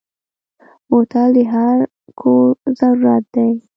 بوتل د هر کور ضرورت دی.